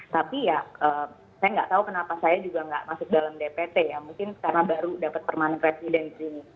tapi ya saya nggak tahu kenapa saya juga nggak masuk dalam dpt ya mungkin karena baru dapat permanent residence di sini